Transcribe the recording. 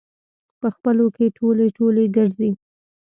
په خپلو کې ټولی ټولی ګرځي.